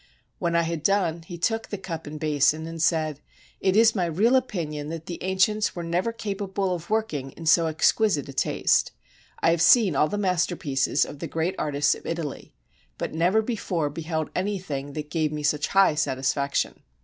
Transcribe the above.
When I had done, he took the cup and basin, and said: "It is my real opinion that the ancients were never capable of working in so ex quisite a taste. I have seen all the masterpieces of the greatest artists of Italy, but never before beheld any thing that gave me such high satisfaction."